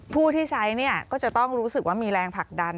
ผู้ที่ใช้ก็จะต้องรู้สึกว่ามีแรงผลักดัน